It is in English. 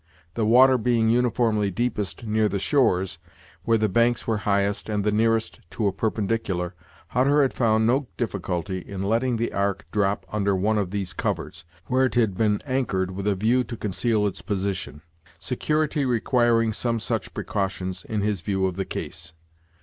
The water being uniformly deepest near the shores, where the banks were highest and the nearest to a perpendicular, Hutter had found no difficulty in letting the ark drop under one of these covers, where it had been anchored with a view to conceal its position; security requiring some such precautions, in his view of the case.